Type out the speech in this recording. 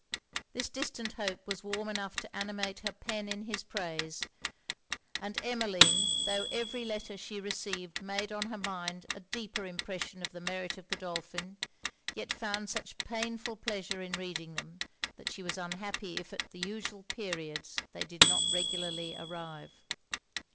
This distant hope was warm enough to animate her pen in his praise; and Emmeline, tho' every letter she received made on her mind a deeper impression of the merit of Godolphin, yet found such painful pleasure in reading them, that she was unhappy if at the usual periods they did not regularly arrive.